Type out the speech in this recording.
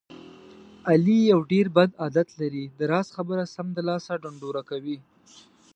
علي یو ډېر بد عادت لري. د راز خبره سمدلاسه ډنډوره کوي.